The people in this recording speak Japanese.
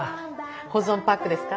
保存パックですか？